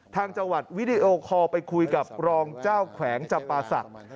ทางจังหวัดวิดีโอคอลไปคุยกับรองเจ้าแขวงจำปาศักดิ์